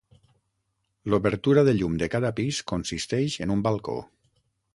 L'obertura de llum de cada pis consisteix en un balcó.